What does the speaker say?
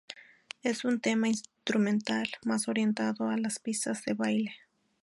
Es un tema Instrumental, más orientado a las pistas de baile.